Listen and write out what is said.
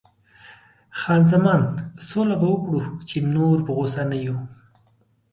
خان زمان: سوله به وکړو، چې نور په غوسه نه یو.